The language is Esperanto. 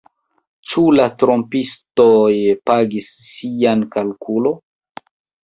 Ĉu la trompistoj pagis sian kalkulo